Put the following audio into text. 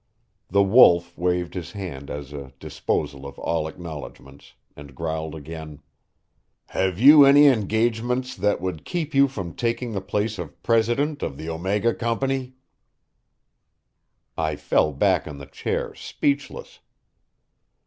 The Wolf waved his hand as a disposal of all acknowledgments, and growled again: "Have you any engagements that would keep you from taking the place of president of the Omega Company?" I fell back on the chair, speechless.